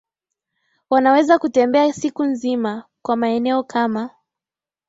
wanaweza kutembea siku nzima kwa maeneo kama